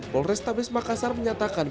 polrestabes makassar menyatakan